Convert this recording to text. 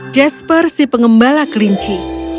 jasper si pengembala kelinci